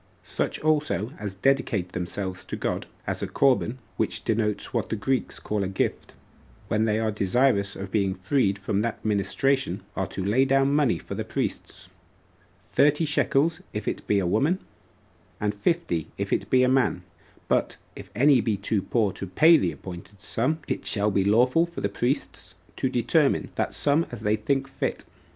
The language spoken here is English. Such also as dedicate themselves to God, as a corban, which denotes what the Greeks call a gift, when they are desirous of being freed from that ministration, are to lay down money for the priests; thirty shekels if it be a woman, and fifty if it be a man; but if any be too poor to pay the appointed sum, it shall be lawful for the priests to determine that sum as they think fit.